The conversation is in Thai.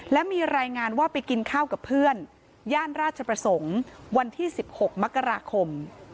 และมีรายงานว่าไปกินข้าวกับเพื่อนย่านราชประสงค์วันที่๑๖มกราคม